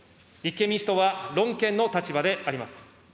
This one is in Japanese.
立憲民主党は論憲の立場であります。